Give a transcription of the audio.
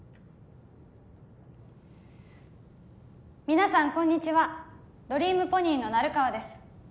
皆さんこんにちはドリームポニーの成川です